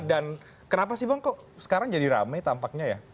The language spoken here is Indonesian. dan kenapa sih bang kok sekarang jadi rame tampaknya ya